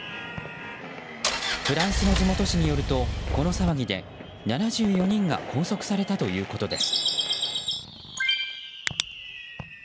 フランスの地元紙によるとこの騒ぎで７４人が拘束されたということです。